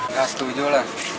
nggak setuju lah